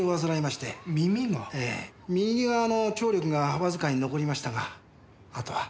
ええ右側の聴力がわずかに残りましたがあとは。